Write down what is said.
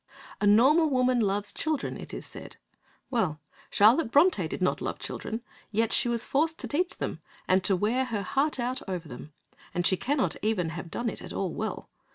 A normal woman loves children, it is said. Well, Charlotte Brontë did not love children; yet she was forced to teach them, and to wear out her heart over them, and she cannot even have done it at all well.